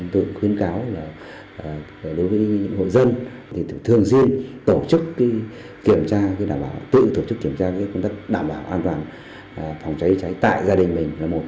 tôi cũng khuyến cáo là đối với hội dân thì thường xuyên tổ chức kiểm tra đảm bảo tự tổ chức kiểm tra công tác đảm bảo an toàn phòng cháy cháy tại gia đình mình là một